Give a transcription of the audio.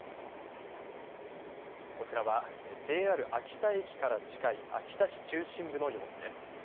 こちらはＪＲ秋田駅から近い秋田市中心部の様子です。